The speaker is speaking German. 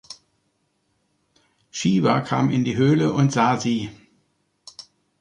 Shiva kam in die Höhle und sah sie.